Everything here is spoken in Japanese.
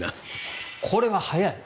これが速い。